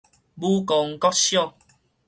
武功國小